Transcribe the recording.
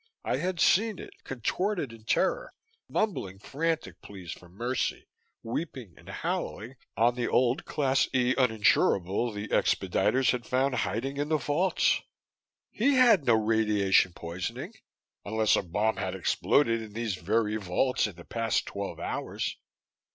I had seen it, contorted in terror, mumbling frantic pleas for mercy, weeping and howling, on the old Class E uninsurable the expediters had found hiding in the vaults. He had no radiation poisoning ... unless a bomb had exploded in these very vaults in the past twelve hours.